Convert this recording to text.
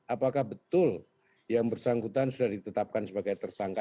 apakah betul yang bersangkutan sudah ditetapkan sebagai tersangka